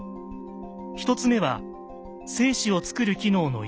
１つ目は精子をつくる機能の異常。